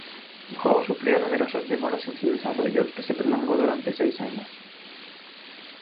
El juego sufrió numerosas demoras en su desarrollo, que se prolongó durante seis años.